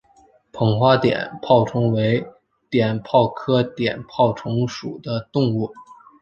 棒花碘泡虫为碘泡科碘泡虫属的动物。